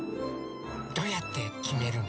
どうやってきめるの？